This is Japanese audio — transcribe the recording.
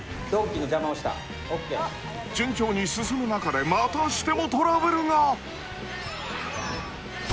［順調に進む中でまたしてもトラブルが！］